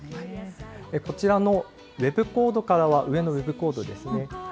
こちらのウェブコードからは、上のウェブコードですね。